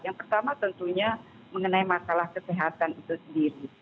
yang pertama tentunya mengenai masalah kesehatan itu sendiri